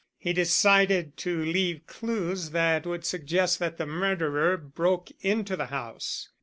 He decided to leave clues that would suggest that the murderer broke into the house.